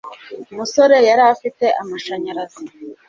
Umusore yari afite amashanyarazi